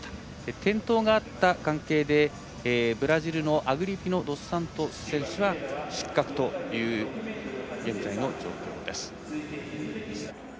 転倒があった関係でブラジルのアグリピノドスサントス選手が失格という現在の状況です。